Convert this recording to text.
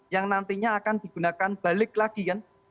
yang nantinya akan digunakan balik lagi kan